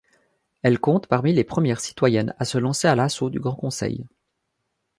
Elle compte parmi les premières citoyennes à se lancer à l’assaut du Grand Conseil.